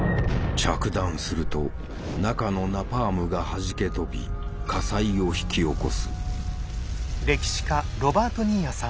着弾すると中のナパームがはじけ飛び火災を引き起こす。